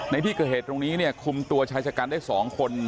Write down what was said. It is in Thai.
ในที่เกิดเหตุตรงนี้เนี่ยคุมตัวชายชะกันได้๒คน